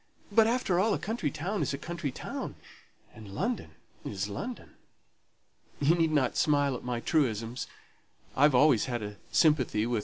But, after all, a country town is a country town, and London is London. You need not smile at my truisms; I've always had a sympathy with M.